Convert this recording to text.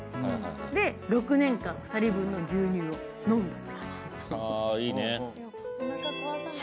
で、６年間、２人分の牛乳を飲むの。